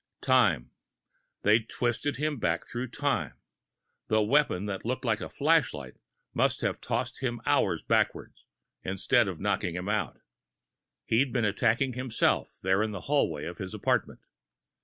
Time! They'd twisted him back through time the weapon that had looked like a flashlight must have tossed him hours backwards, instead of knocking him out. He'd been attacking himself there in the hallway of his apartment!